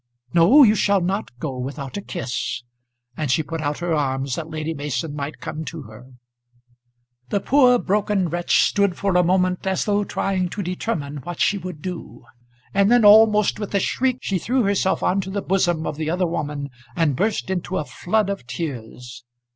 No; you shall not go without a kiss." And she put out her arms that Lady Mason might come to her. The poor broken wretch stood for a moment as though trying to determine what she would do; and then, almost with a shriek, she threw herself on to the bosom of the other woman, and burst into a flood of tears.